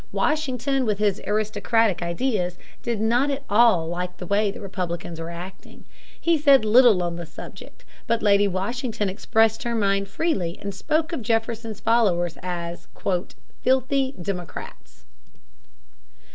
Washington, with his aristocratic ideas, did not at all like the way the Republicans were acting. He said little on the subject, but Lady Washington expressed her mind freely and spoke of Jefferson's followers as "filthy Democrats."